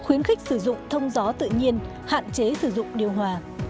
khuyến khích sử dụng thông gió tự nhiên hạn chế sử dụng điều hòa